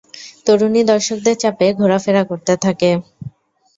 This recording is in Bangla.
তরুণী দর্শকদের চারপাশে ঘোরাফেরা করতে থাকে।